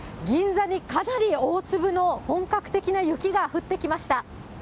銀座にかなり大粒の本格的な雪が降ってきました。